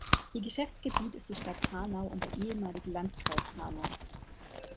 Ihr Geschäftsgebiet ist die Stadt Hanau und der ehemalige Landkreis Hanau.